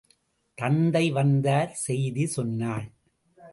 தந்தை வந்தார் செய்தி சொன்னாள்.